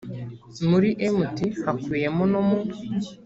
muri mt hakubiyemo no mu